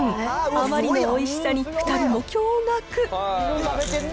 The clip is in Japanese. あまりのおいしさに、２人も驚がく。